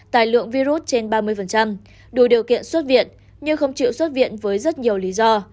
tài lượng virus trên ba mươi đủ điều kiện xuất viện nhưng không chịu xuất viện với rất nhiều lý do